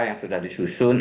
yang sudah disusun